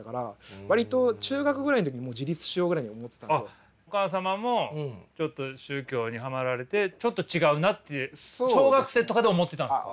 あっお母様もちょっと宗教にハマられてちょっと違うなって小学生とかで思ってたんですか。